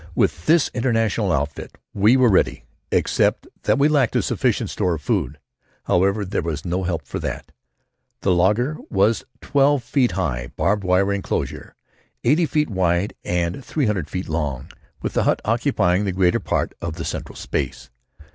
With this international outfit we were ready, except that we lacked a sufficient store of food. However, there was no help for that. The laager was a twelve foot high barbed wire enclosure, eighty feet wide by three hundred long, with the hut occupying the greater part of the central space.